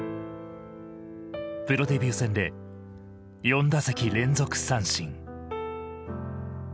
プロデビュー戦で４打席連続三振。